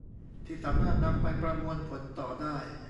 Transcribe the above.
ที่สามารถนำไปประมวลผลต่อได้